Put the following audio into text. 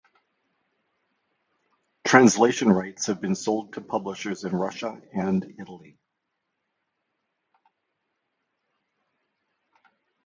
Translation rights have been sold to publishers in Russia and Italy.